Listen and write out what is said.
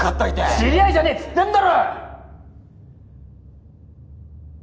知り合いじゃねぇっつってんだろ！